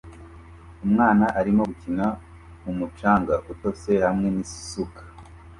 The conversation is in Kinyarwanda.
Umwana arimo gukina mumucanga utose hamwe nisuka